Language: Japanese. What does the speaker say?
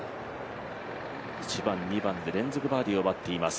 １番、２番で連続バーディーを奪っています